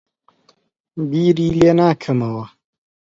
بیری لێ ناکەمەوە.